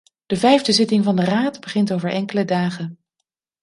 De vijfde zitting van de raad begint over enkele dagen.